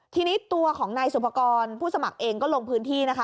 ทีนี้ตัวของนายสุภกรผู้สมัครเองก็ลงพื้นที่นะคะ